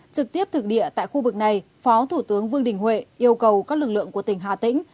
trực tiếp thực địa tại khu vực này phó thủ tướng vương đình huệ yêu cầu các lực lượng của tỉnh hà tĩnh